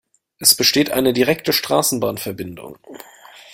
Es besteht eine direkte Straßenbahnverbindung.